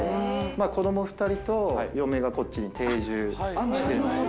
子ども２人と嫁がこっちに定住してます。